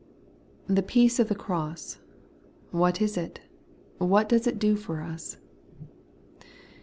The peace of the cross, what is it ? What does it do for us